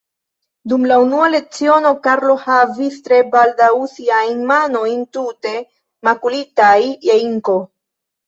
Dum la unua leciono, Karlo havis tre baldaŭ siajn manojn tute makulitaj je inko.